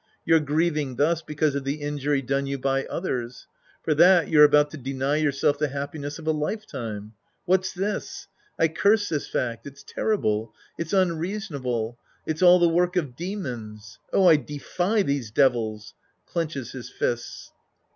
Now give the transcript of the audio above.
You're griev ing thus because of the injury done you by others. For that, you're about to deny yourself the happiness of a lifetime. What's this ! I curse tliis fact. It's terrible. It's unreasonable. It's all the work of demons. Oh, I defy these devils ! {Clenches his fists.)